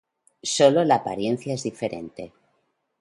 sólo la apariencia es diferente